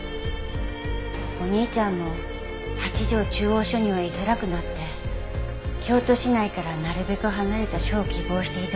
お兄ちゃんも八条中央署にはいづらくなって京都市内からなるべく離れた署を希望して異動に。